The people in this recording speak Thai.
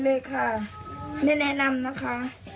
เลยค่ะได้แนะนำนะคะ